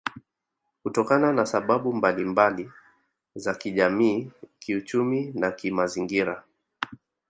Kutokana na sababu mbalimba za kijamii kiuchumi na kimazingira